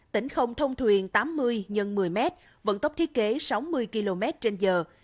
tỉnh không thông thuyền tám mươi x một mươi m vận tốc thiết kế sáu mươi km trên giờ